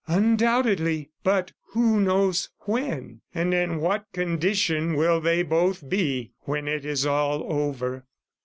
"Undoubtedly, but who knows when? ... And in what condition will they both be when it is all over?"